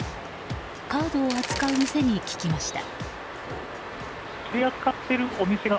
カードを扱う店に聞きました。